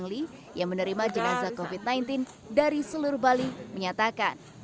ketika mereka menerima pengajaran mereka sudah mengambil pengajaran dari krematorium yang sudah diperlukan